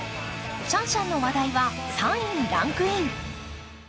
シャンシャンの話題は３位にランクイン。